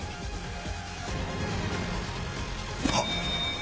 あっ。